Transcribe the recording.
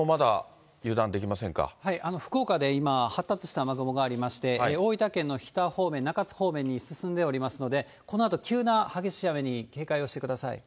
福岡で今、発達した雨雲がありまして、大分県の日田方面、中津方面に進んでおりますので、このあと急な激しい雨に警戒をしてください。